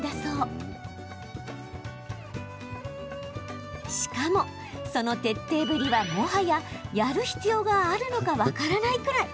しかもその徹底ぶりはもはや、やる必要があるのか分からないくらい。